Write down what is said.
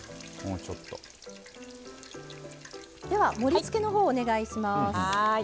盛りつけのほうお願いします。